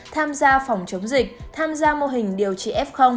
tham gia phòng chống dịch tham gia mô hình điều trị f